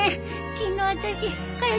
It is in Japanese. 昨日あたしかよ